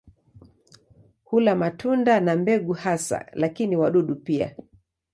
Hula matunda na mbegu hasa, lakini wadudu pia.